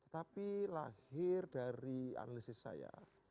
tapi lahir dari analisis saya